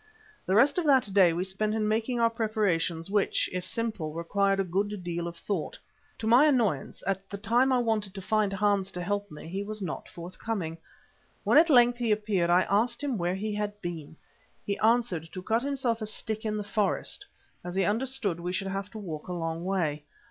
The rest of that day we spent in making our preparations which, if simple, required a good deal of thought. To my annoyance, at the time I wanted to find Hans to help me, he was not forthcoming. When at length he appeared I asked him where he had been. He answered, to cut himself a stick in the forest, as he understood we should have to walk a long way.